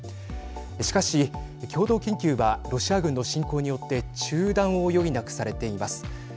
しかし、共同研究はロシア軍の侵攻によって中断を余儀なくされています。